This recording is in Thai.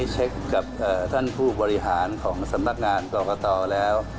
เช็คกับท่านผู้บริหารของสำนักงานกรกตแล้ว